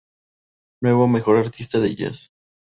Nuevo Mejor Artista de Jazz.